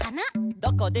「どこでも」